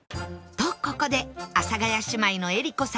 とここで阿佐ヶ谷姉妹の江里子さん